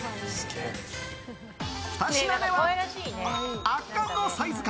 ２品目は圧巻のサイズ感！